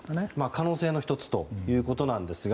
可能性の１つということなんですが。